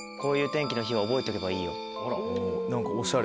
何かおしゃれ。